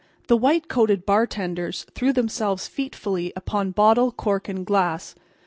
The white coated bartenders threw themselves featfully upon bottle, cork and glass.